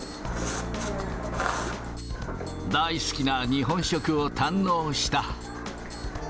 大好きな日本食を堪能した。